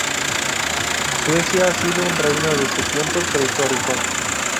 Suecia ha sido un reino desde tiempos prehistóricos.